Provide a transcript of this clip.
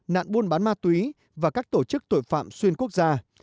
nạn buôn bán ma túy và các tổ chức tội phạm xuyên quốc gia